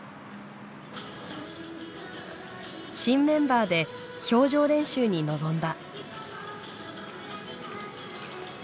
新メンバーで氷上練習に臨んだ。